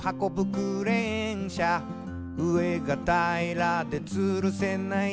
クレーン車」「上がたいらでつるせない」